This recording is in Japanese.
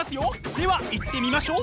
では行ってみましょう。